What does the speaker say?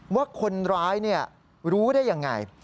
ว่าคนร้ายรู้ได้ยังไง